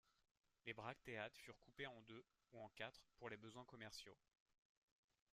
Des bractéates furent coupés en deux ou en quatre pour les besoins commerciaux.